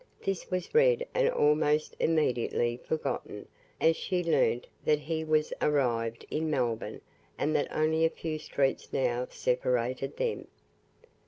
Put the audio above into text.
This was read and almost immediately forgotten, as she learnt that he was arrived in Melbourne, and that only a few streets now separated them.